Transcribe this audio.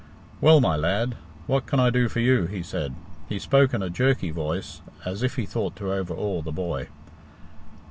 "Well, my lad, what can I do for you?" he said. He spoke in a jerky voice, as if he thought to overawe the boy.